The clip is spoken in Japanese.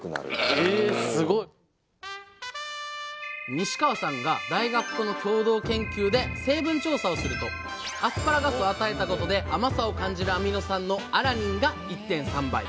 西川さんが大学との共同研究で成分調査をするとアスパラガスを与えたことで甘さを感じるアミノ酸のアラニンが１．３倍。